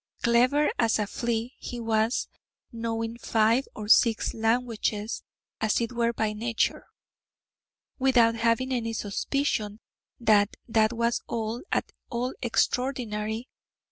Clever as a flea he was, knowing five or six languages, as it were by nature, without having any suspicion that that was at all extraordinary.